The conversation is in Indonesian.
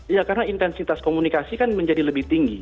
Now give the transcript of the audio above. ya karena intensitas komunikasi kan menjadi lebih tinggi